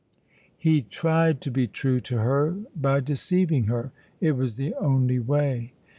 He tried to be true to her by deceiving her. It was the only way.